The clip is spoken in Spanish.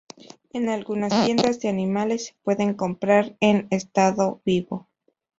En algunas tiendas de animales se pueden comprar en estado vivo.